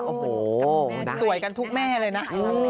โอ้โหสวยกันทุกแม่เลยนะ